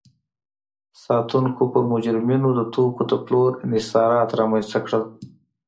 ساتونکو پر مجرمینو د توکو د پلور انحصارات رامنځته کړل.